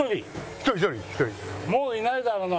もういないだろうな？